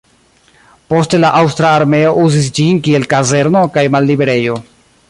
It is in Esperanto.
Poste la aŭstra armeo uzis ĝin kiel kazerno kaj malliberejo.